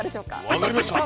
分かりました。